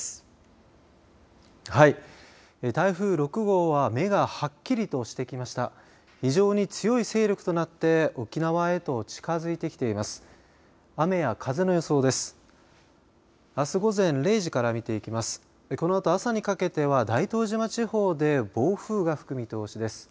このあと朝にかけては大東島地方で暴風が吹く見通しです。